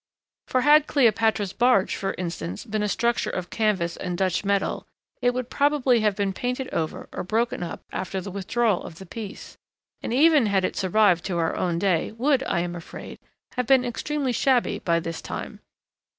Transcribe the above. For had Cleopatra's barge, for instance, been a structure of canvas and Dutch metal, it would probably have been painted over or broken up after the withdrawal of the piece, and, even had it survived to our own day, would, I am afraid, have become extremely shabby by this time.